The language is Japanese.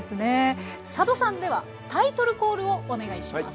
佐渡さんではタイトルコールをお願いします。